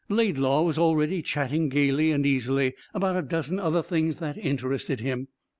Laidlaw was already chatting gaily and easily about a dozen other things that interested him.